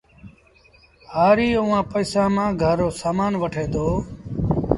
هآريٚ اُئآݩ پئيٚسآݩ مآݩ گھر رو سامآݩ وٺي دو